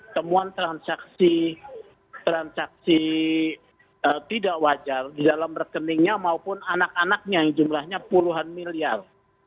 temuan transaksi tidak wajar di dalam rekeningnya maupun anak anaknya yang jumlahnya puluhan miliar